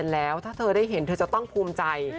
แล้วถ้าเธอได้เห็นเธอจะต้องภูมิใจ